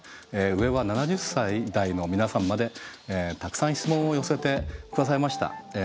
上は７０歳代の皆さんまでたくさん質問を寄せて下さいました。